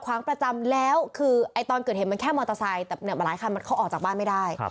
คือตอนเกิดเห็นมันแค่มอเตอร์ไซแต่หลายคันมันเขาออกจากบ้านไม่ได้